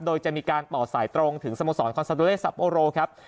โดยจะมีการต่อสายตรงถึงสโมสรคอนซาโดเรสซับโอโรครับ